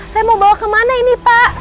saya mau bawa kemana ini pak